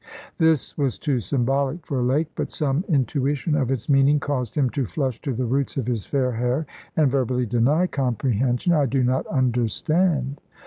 This was too symbolic for Lake, but some intuition of its meaning caused him to flush to the roots of his fair hair, and verbally deny comprehension. "I do not understand."